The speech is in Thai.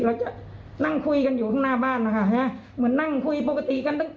เราจะนั่งคุยกันอยู่ข้างหน้าบ้านนะคะ